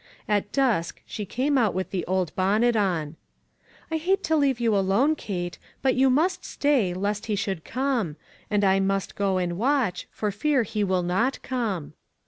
At dusk she came out with the old bon net on. " I hate to leave you alone, Kate ; but you must stay, lest he should come ; and I must go and watch, for fear he will not come."